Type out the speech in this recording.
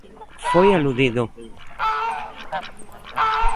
Foi aludido.